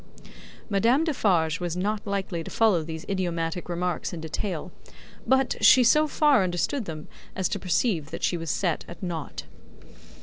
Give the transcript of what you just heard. Madame Defarge was not likely to follow these idiomatic remarks in detail; but, she so far understood them as to perceive that she was set at naught.